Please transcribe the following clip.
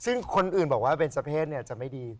ซึ่งคนอื่นบอกว่าเป็นสะเพศเนี่ยจะไม่ดี